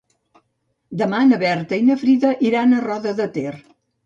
Demà na Berta i na Frida iran a Roda de Ter.